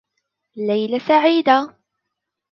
ليلة سعيدة.